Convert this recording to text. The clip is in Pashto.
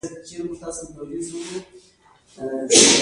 د يو ميليارد ډالرو درېيمه برخه نغدې روپۍ ډېرې وي